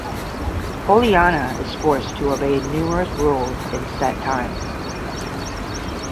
Poliana is forced to obey numerous rules and set times.